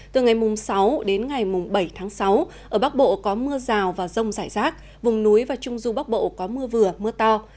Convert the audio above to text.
từ ngày sáu đến ngày bảy tháng sáu ở bắc bộ có mưa rào và rông rải rác vùng núi và trung du bắc bộ có mưa vừa mưa to